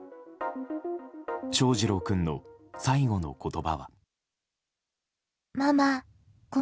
翔士郎君の最期の言葉は。